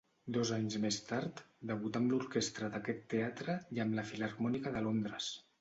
Dos anys més tard, debutà amb l'orquestra d'aquest teatre i amb la Filharmònica de Londres.